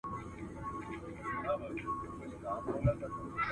روښانه فکر جنجال نه جوړوي.